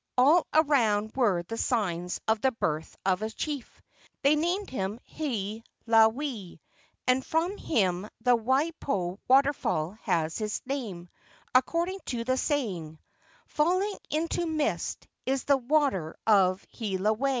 All around were the signs of the birth of a chief. They named him Hiilawe, and from him the Waipio waterfall has its name, according to the saying, "Falling into mist is the water of Hii¬ lawe."